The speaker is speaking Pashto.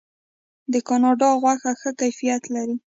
د کاناډا غوښه ښه کیفیت لري.